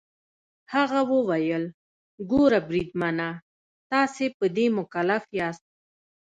هغه وویل: ګوره بریدمنه، تاسي په دې مکلف یاست.